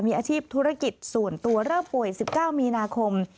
มีอาชีพธุรกิจส่วนตัวเริ่มป่วย๑๙มีนาคม